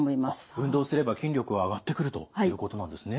運動すれば筋力は上がってくるということなんですね。